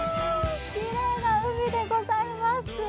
きれいな海でございます。